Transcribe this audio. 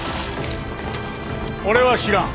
俺は知らん。